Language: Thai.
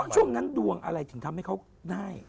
ช่วงนั้นดวงอะไรถึงทำให้เขาง่าย